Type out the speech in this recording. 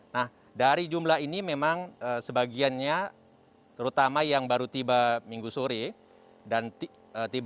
nah dari jumlah ini kita bisa lihat bahwa ini adalah satu perkembangan yang sangat penting